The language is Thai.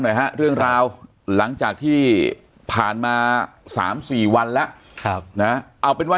หน่อยฮะเรื่องราวหลังจากที่ผ่านมา๓๔วันแล้วเอาเป็นว่า